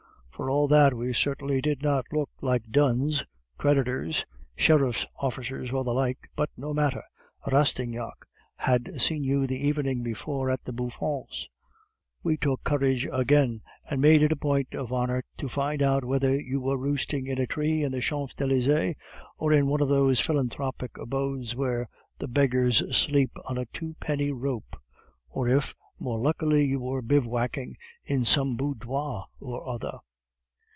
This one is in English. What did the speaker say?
For all that, we certainly did not look like duns, creditors, sheriff's officers, or the like. But no matter! Rastignac had seen you the evening before at the Bouffons; we took courage again, and made it a point of honor to find out whether you were roosting in a tree in the Champs Elysees, or in one of those philanthropic abodes where the beggars sleep on a twopenny rope, or if, more luckily, you were bivouacking in some boudoir or other.